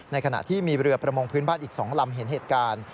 ขณะที่มีเรือประมงพื้นบ้านอีก๒ลำเห็นเหตุการณ์